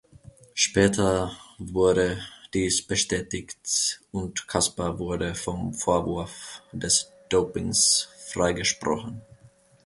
Später wurde dies bestätigt und Casper wurde vom Vorwurf des Dopings freigesprochen.